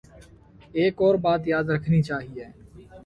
ایک اور بات یاد رکھنی چاہیے۔